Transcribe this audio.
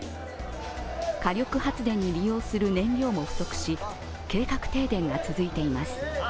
火力発電に利用する燃料も不足し計画停電が続いています。